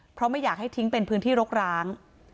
เพราะไม่อยากให้ทิ้งเป็นพื้นที่รกร้าง